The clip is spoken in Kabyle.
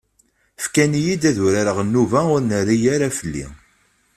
Fkan-iyi-d ad d-urareɣ nnuba ur nerri ara fell-i.